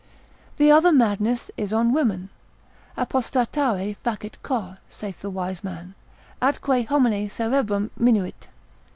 That other madness is on women, Apostatare facit cor, saith the wise man, Atque homini cerebrum minuit.